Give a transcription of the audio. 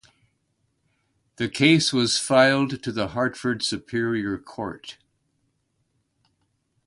The case was filed to the Hartford Superior Court.